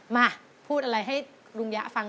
มาพูดอะไรให้ลุงยะฟัง